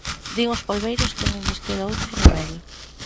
Din os polbeiros que non lles queda outro remedio.